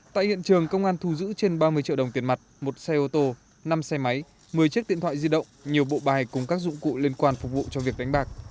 tại hiện trường công an thu giữ trên ba mươi triệu đồng tiền mặt một xe ô tô năm xe máy một mươi chiếc điện thoại di động nhiều bộ bài cùng các dụng cụ liên quan phục vụ cho việc đánh bạc